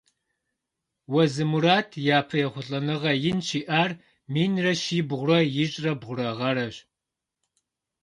Уэзы Мурат япэ ехъулӏэныгъэ ин щиӏар минрэ щибгъурэ ищӏрэ бгъурэ гъэращ.